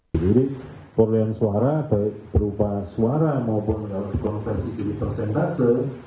jadi perolehan suara baik berupa suara maupun konversi tiri persentase